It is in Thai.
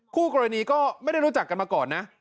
คู่กรณีก็ไม่ได้รู้จักกันมาก่อนนะ